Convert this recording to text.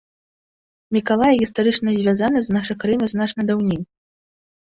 Мікалая гістарычна звязаны з нашай краінай значна даўней.